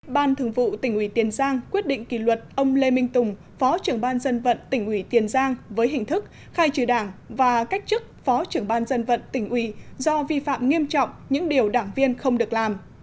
ban thường vụ tỉnh ủy tiền giang quyết định kỷ luật ông lê minh tùng phó trưởng ban dân vận tỉnh ủy tiền giang với hình thức khai trừ đảng và cách chức phó trưởng ban dân vận tỉnh ủy do vi phạm nghiêm trọng những điều đảng viên không được làm